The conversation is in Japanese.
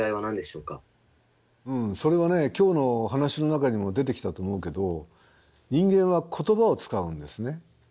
うんそれはね今日の話の中にも出てきたと思うけど人間は言葉を使うんですね。